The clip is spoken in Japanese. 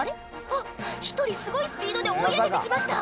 あっ１人すごいスピードで追い上げて来ました